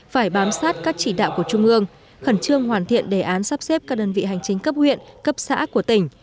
phải bám sát các chỉ đạo của trung ương khẩn trương hoàn thiện đề án sắp xếp các đơn vị hành chính cấp huyện cấp xã của tỉnh